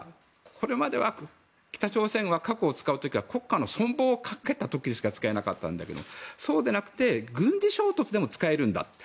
これまでは北朝鮮は核を使う時は国家の存亡をかけた時にしか使えたかったけどそうでなくて軍事衝突でも使えるんだ